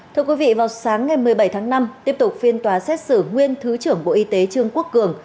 thưa quý vị vào sáng ngày một mươi bảy tháng năm tiếp tục phiên tòa xét xử nguyên thứ trưởng bộ y tế trương quốc cường